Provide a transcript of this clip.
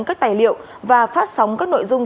các tài liệu và phát sóng các nội dung